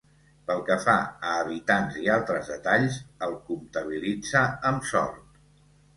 Pel que fa a habitants i altres detalls, el comptabilitza amb Sort.